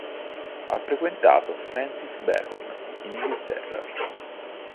Ha frequentato Francis Bacon in Inghilterra.